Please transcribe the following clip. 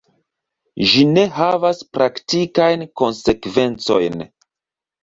Ĝi ne havas praktikajn konsekvencojn.